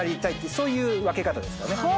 そういう分け方ですかね。